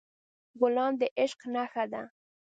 ګلان د عشق نښه ده.